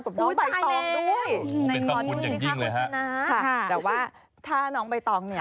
กับน้องใบตองด้วยในความคุ้นอย่างยิ่งเลยครับค่ะแต่ว่าถ้าน้องใบตอง